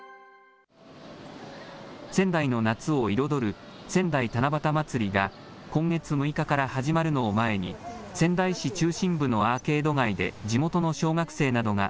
仙台の夏を彩る仙台七夕まつりが今月６日から始まるのを前に、仙台市中心部のアーケード街で地元の小学生などが、